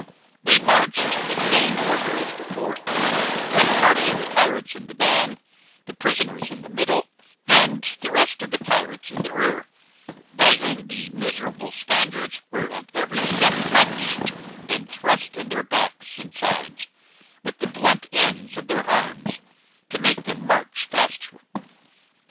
They marched in the same order as before, one party of the pirates in the van, the prisoners in the middle, and the rest of the pirates in the rear; by whom the miserable Spaniards were at every step punched and thrust in their backs and sides, with the blunt ends of their arms, to make them march faster.